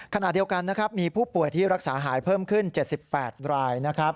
ขณะเดียวกันมีผู้ป่วยที่รักษาหายเพิ่มขึ้น๗๘ราย